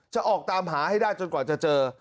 ออกตามหาให้ได้จนกว่าจะเจอ